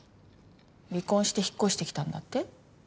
離婚して引っ越してきたんだって？